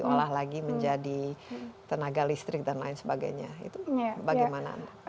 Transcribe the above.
diolah lagi menjadi tenaga listrik dan lain sebagainya itu bagaimana